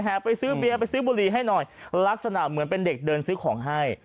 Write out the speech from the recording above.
ไปซื้อเบียร์ไปซื้อบุหรี่ให้หน่อยลักษณะเหมือนเป็นเด็กเดินซื้อของให้